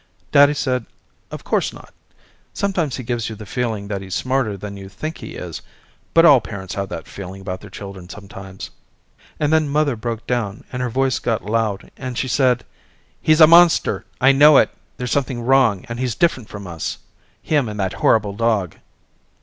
Daddy said of course not, sometimes he gives you the feeling that he's smarter than you think he is but all parents have that feeling about their children sometimes. And then mother broke down and her voice got loud and she said he's a monster, I know it, there's something wrong and he's different from us, him and that horrible dog.